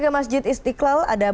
masjid istiqlal jakarta